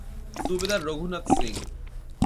সুবেদার Raghunath Singh.